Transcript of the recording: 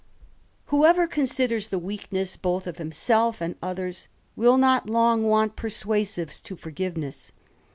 Whoever considers the weakness both of himself and. others, will not long want persuasives to forgiveness.